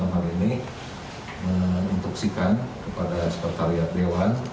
hari ini menunjukan kepada sepertariat dewan